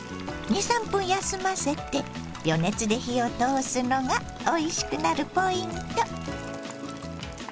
２３分間休ませて余熱で火を通すのがおいしくなるポイント。